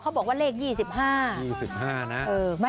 เขาบอกว่าเลข๒๕นะ